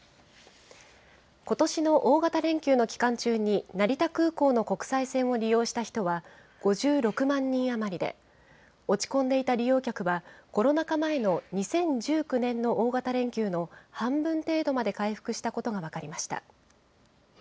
ことしの大型連休の期間中に、成田空港の国際線を利用した人は５６万人余りで、落ち込んでいた利用客はコロナ禍前の２０１９年の大型連休の半分程度まで回復したことが分かりました。